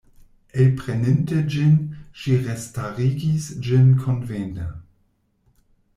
Elpreninte ĝin, ŝi restarigis ĝin konvene.